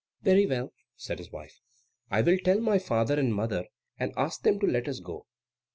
"Very well," said his wife; "I will tell my father and mother, and ask them to let us go."